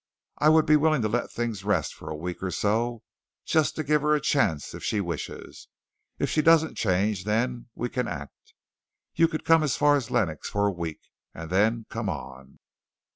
I would be willing to let things rest for a week or so, just to give her a chance if she wishes. If she doesn't change then we can act. You could come as far as Lenox for a week, and then come on."